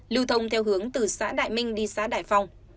lưu thông theo hướng từ xã đại minh đi xã đại phong